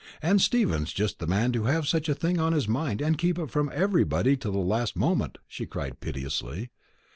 "And Stephen's just the man to have such a thing on his mind and keep it from everybody till the last moment," she cried piteously.